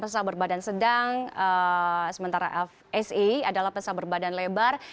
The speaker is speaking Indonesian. pesawat berbadan sedang sementara fsa adalah pesawat berbadan lebar